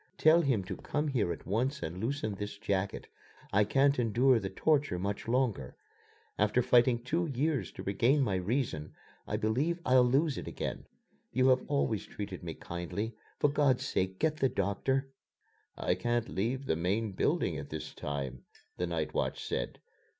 "Tell him to come here at once and loosen this jacket. I can't endure the torture much longer. After fighting two years to regain my reason, I believe I'll lose it again. You have always treated me kindly. For God's sake, get the doctor!" "I can't leave the main building at this time," the night watch said.